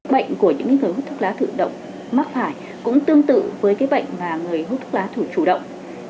bệnh của những người hút thuốc lá tự động mắc phải cũng tương tự với cái bệnh mà người hút thuốc lá thủ chủ động